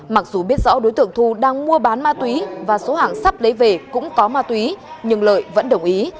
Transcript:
mặc dù biết rõ đối tượng thu đang mua bán ma túy và số hàng sắp lấy về cũng có ma túy nhưng lợi vẫn đồng ý